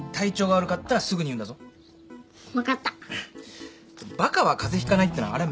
バカは風邪ひかないってのはあれは迷信だな。